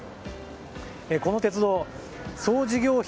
この鉄道、総事業費